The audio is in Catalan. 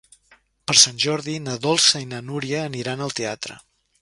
Per Sant Jordi na Dolça i na Núria aniran al teatre.